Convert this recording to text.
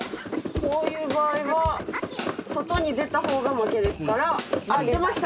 こういう場合は外に出たほうが負けですからあっ出ました。